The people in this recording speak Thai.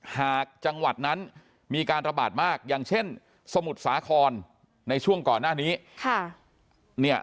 หากจังหวัดนั้นมีการระบาดมากอย่างเช่นสมุทรสาครในช่วงก่อนหน้านี้